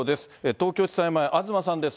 東京地裁前、東さんです。